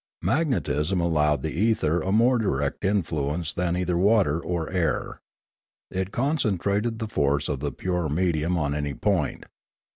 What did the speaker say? Magnetism allowed the ether a more direct influence than either water or air; it concentrated the force of the purer medium on any point.